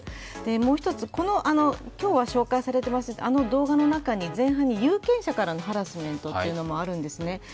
もう一つ、今日は紹介されていませんでしたが、あの動画の前半に有権者からのハラスメントというのもあるんですね。